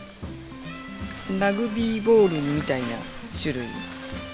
ラグビーボールみたいな種類。